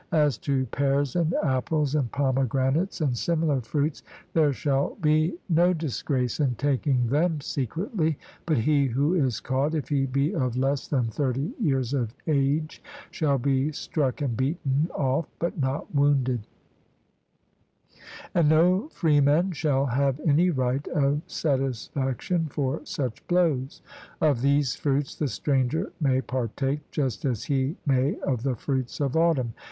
As to pears, and apples, and pomegranates, and similar fruits, there shall be no disgrace in taking them secretly; but he who is caught, if he be of less than thirty years of age, shall be struck and beaten off, but not wounded; and no freeman shall have any right of satisfaction for such blows. Of these fruits the stranger may partake, just as he may of the fruits of autumn.